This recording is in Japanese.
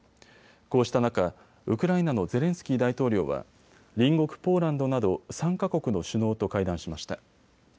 こうした中、ウクライナのゼレンスキー大統領は隣国ポーランドなど３か国の首脳と会談しました。